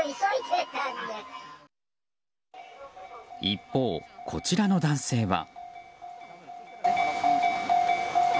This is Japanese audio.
一方、こちらの男性は。